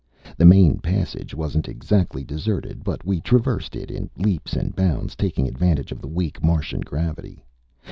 The main passage wasn't exactly deserted, but we traversed it in leaps and bounds, taking advantage of the weak Martian gravity.